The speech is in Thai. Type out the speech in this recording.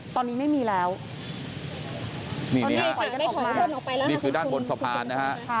ตอนนี้ไม่มีแล้วนี่นี่คือด้านบนสะพานนะฮะ